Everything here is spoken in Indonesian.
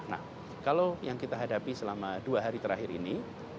nah kalau yang kita hadapi selama dua hari terakhir ini